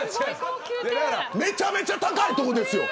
めちゃめちゃ高い所ですよ。